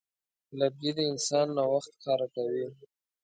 لرګی د انسان نوښت ښکاره کوي.